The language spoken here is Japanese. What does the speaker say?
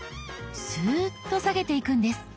スーッと下げていくんです。